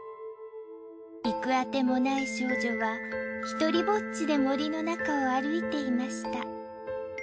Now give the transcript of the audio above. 行くあてもない少女は独りぼっちで森の中を歩いていました。